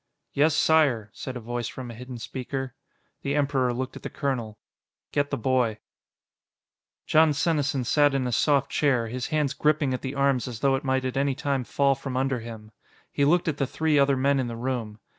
"Yes, Sire," said a voice from a hidden speaker. The Emperor looked at the colonel. "Get the boy." Jon Senesin sat in a soft chair, his hands gripping at the arms as though it might at any time fall from under him. He looked at the three other men in the room.